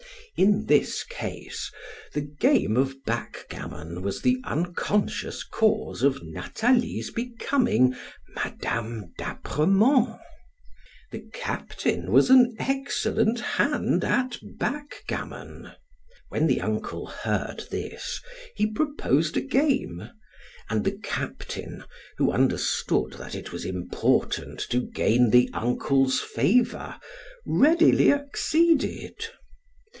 In this case, the game of backgammon was the unconscious cause of Nathalie's becoming Mme. d'Apremont. The captain was an excellent hand at backgammon. When the uncle heard this, he proposed a game; and the captain, who understood that it was important to gain the uncle's favor, readily acceded.